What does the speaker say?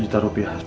satu juta rupiah